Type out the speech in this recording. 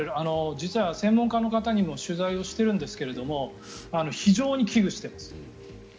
実は専門家の方にも取材をしているんですが非常に危惧しています。